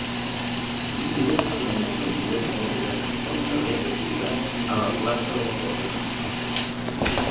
Mira'm quina és la millor manera d'anar del carrer de Subirats a la plaça del Fòrum.